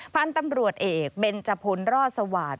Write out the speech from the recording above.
พันธุ์ตำรวจเอกเบนจพลรอดสวาสตร์